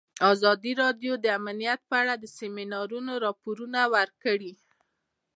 ازادي راډیو د امنیت په اړه د سیمینارونو راپورونه ورکړي.